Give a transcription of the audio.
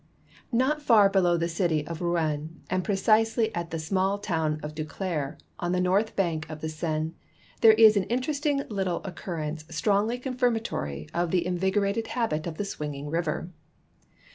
— Not far below the city of Rouen and precisely at the small town of Duclair, on the north hank of the Seine, there is an interesting little occurrence strongly confirmatory of the invigorated habit of the swinging river.